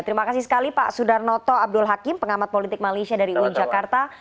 terima kasih sekali pak sudarnoto abdul hakim pengamat politik malaysia dari uin jakarta